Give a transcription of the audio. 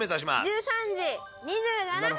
１３時２７分。